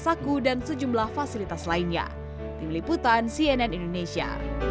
saku dan sejumlah fasilitas lainnya tim liputan cnn indonesia